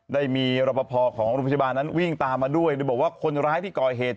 ได้มีรปภของโรงพยาบาลนั้นวิ่งตามมาด้วยโดยบอกว่าคนร้ายที่ก่อเหตุ